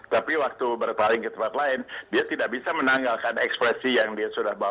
tapi waktu berpaling ke tempat lain dia tidak bisa menanggalkan ekspresi yang dia sudah bawa